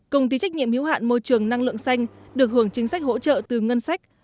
công ty trách nhiệm hiếu hạn môi trường năng lượng xanh được hưởng chính sách hỗ trợ từ ngân sách